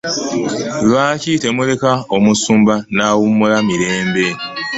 Lwaki temuleka omusumba nawumula mirembe?